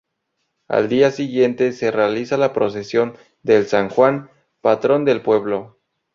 Al día siguiente se realiza la procesión del San Juan, patrón del pueblo.